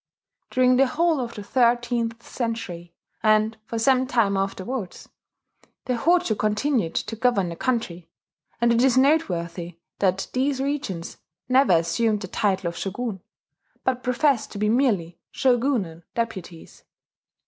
During the whole of the thirteenth century, and for some time afterwards, the Hojo continued to govern the country; and it is noteworthy that these regents never assumed the title of shogun, but professed to be merely shogunal deputies.